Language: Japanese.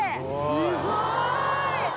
すごい！